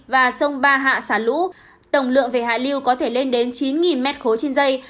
và sông ba hạ xả lũ tổng lượng về hạ lưu có thể lên đến chín mét khối trên dây